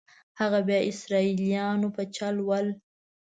هغه بیا اسرائیلیانو په چل ول.